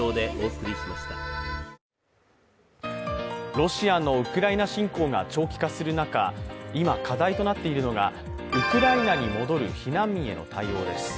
ロシアのウクライナ侵攻が長期化する中、今課題となっているのがウクライナに戻る避難民への対応です。